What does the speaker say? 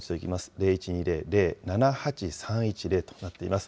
０１２０ー０ー７８３１０となっています。